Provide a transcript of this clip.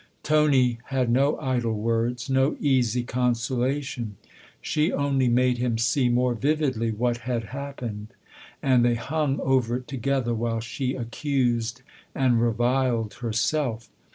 Tony had no idle words, no easy consola tion ; she only made him see more vividly what had happened, and they hung over it together while she accused and reviled herself.